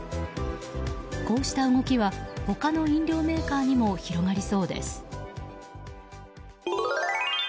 こうした動きは他の飲料メーカーにも広がりそうです。